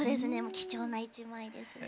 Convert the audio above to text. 貴重な一枚ですね。